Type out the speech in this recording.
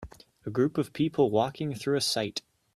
A group of people walking through a cite